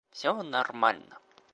Всё нормально